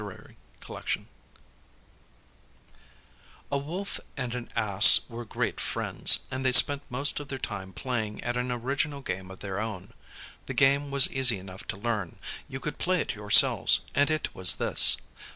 The Foolish Wolf A WOLF and an Ass were great friends, and they spent most of their time playing at an original game of their own. The game was easy enough to learn; you could play it yourselves; and it was this.